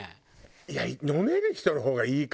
いや飲める人の方がいいかもね。